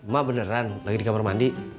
ma beneran lagi di kamar mandi